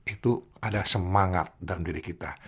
itu ada semangat dalam diri kita